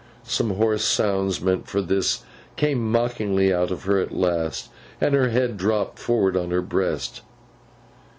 Some hoarse sounds meant for this, came mockingly out of her at last; and her head dropped forward on her breast.